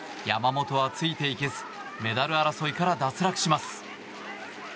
山本はついていけずメダル争いから脱落します。